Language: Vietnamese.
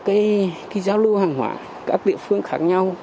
cái giao lưu hàng hóa các địa phương khác nhau